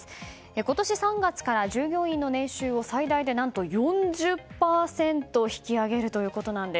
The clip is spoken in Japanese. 今年３月から従業員の年収を最大で４０％引き上げるということです。